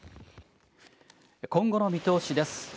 今後の見通しです。